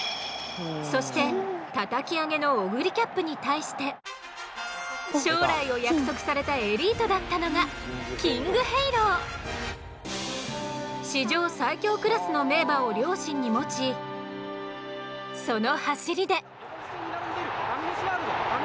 そしてたたき上げのオグリキャップに対して将来を約束されたエリートだったのが史上最強クラスの名馬を両親に持ちその走りで。